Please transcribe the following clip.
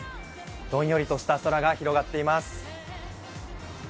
どんよりとした空が広がっています。